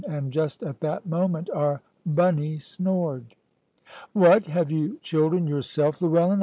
And just at that moment our Bunny snored. "What! have you children yourself, Llewellyn?